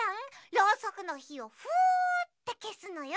ろうそくのひをふってけすのよ。